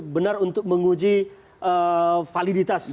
benar untuk menguji validitas